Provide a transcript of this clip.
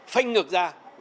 phanh ngược ra